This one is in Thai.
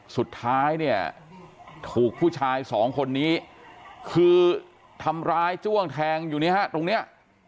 สุดท้ายเนี่ยถูกผู้ชายสองคนนี้คือทำร้ายจ้วงแทงอยู่เนี่ยฮะตรงนี้